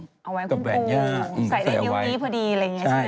เอาไว้คุณปูใส่ในนิ้วนี้พอดีอะไรอย่างนี้ใช่ไหม